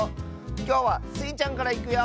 きょうはスイちゃんからいくよ！